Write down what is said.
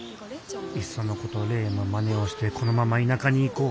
いっそのこと玲のまねをしてこのまま田舎に行こう。